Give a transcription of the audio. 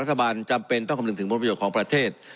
รัฐบาลจำเป็นต้องคำนึงถึงผลประโยชน์ของประเทศ